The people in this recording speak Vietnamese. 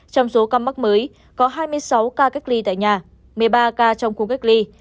trong số ca mắc mới có hai mươi sáu ca cách ly tại nhà một mươi ba ca trong khu cách ly